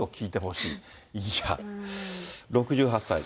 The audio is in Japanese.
いや、６８歳。